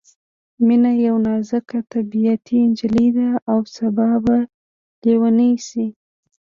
مينه یوه نازک طبعیته نجلۍ ده او سبا به ليونۍ شي